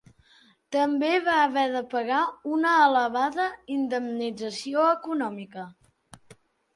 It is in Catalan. També va haver de pagar una elevada indemnització econòmica.